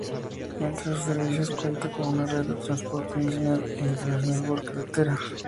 Entre sus servicios cuenta con una red de transporte nacional e internacional por carretera.